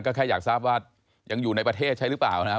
ก็แค่อยากทราบว่ายังอยู่ในประเทศใช้หรือเปล่านะครับ